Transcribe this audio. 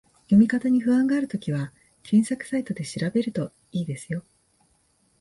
読み方に不安があるときは、検索サイトで調べると良いですよ